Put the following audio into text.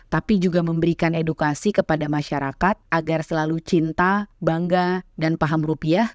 tapi juga memberikan edukasi kepada masyarakat agar selalu cinta bangga dan paham rupiah